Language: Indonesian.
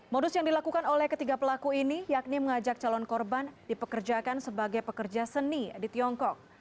modus yang dilakukan oleh ketiga pelaku ini yakni mengajak calon korban dipekerjakan sebagai pekerja seni di tiongkok